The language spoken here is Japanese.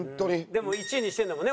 でも１位にしてんだもんね